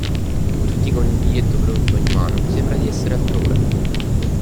Tutti con il biglietto pronto in mano, sembra di essere altrove.